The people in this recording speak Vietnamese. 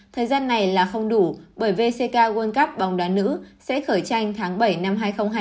thời gian này là không đủ bởi vck world cup bóng đá nữ sẽ khởi tranh tháng bảy năm hai nghìn hai mươi